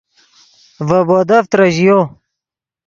ڤے بودف ترژیو